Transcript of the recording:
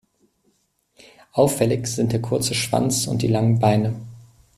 Auffällig sind der kurze Schwanz und die langen Beine.